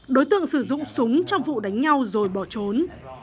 đối tượng sử dụng súng trong vụ đánh nhau rồi bỏ trốn